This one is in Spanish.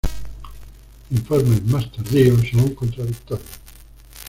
Informes más tardíos son contradictorios.